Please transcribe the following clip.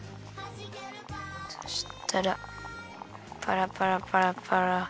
そしたらパラパラパラパラ。